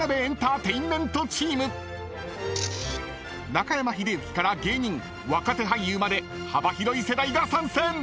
［中山秀征から芸人若手俳優まで幅広い世代が参戦！］